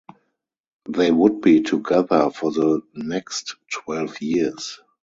They would be together for the next twelve years.